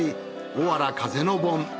おわら風の盆。